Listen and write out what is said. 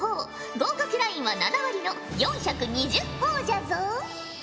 合格ラインは７割の４２０ほぉじゃぞ。